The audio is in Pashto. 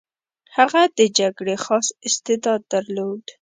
هغه د جګړې خاص استعداد درلود.